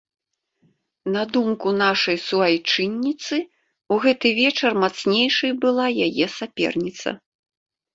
На думку нашай суайчынніцы, у гэты вечар мацнейшай была яе саперніца.